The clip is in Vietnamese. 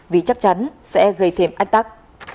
vì chắc chắn sẽ gây thêm ách tắc